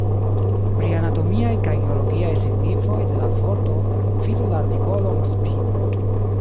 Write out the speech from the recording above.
Pri anatomiaj kaj geologiaj signifoj de la vorto vidu la artikolon spino.